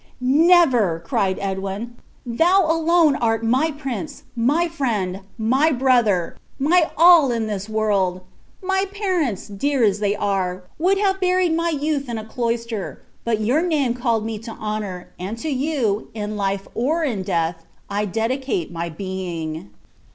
"Never!" cried Edwin; "thou alone art my prince, my friend, my brother, my all in this world! My parents, dear as they are, would have buried my youth in a cloister, but your name called me to honor, and to you, in life or in death, I dedicate my being."